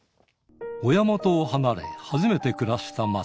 親元を離れ、初めて暮らした町。